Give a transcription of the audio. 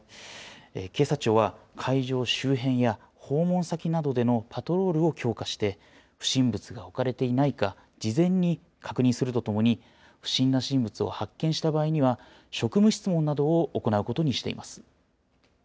警察庁は会場周辺や訪問先などでのパトロールを強化して、不審物が置かれていないか、事前に確認するとともに、不審な人物を発見した場合には、職務質問などを行うことにしています。